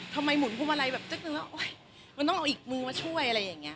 ทำไมหมุนพุมารัยแบบนึกแล้วมันต้องเอาอีกมือมาช่วยอะไรอย่างนี้